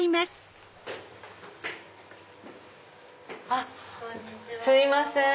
あっすいません。